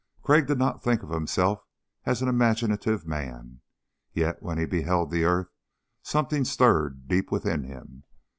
Crag did not think of himself as an imaginative man. Yet when he beheld the earth something stirred deep within him.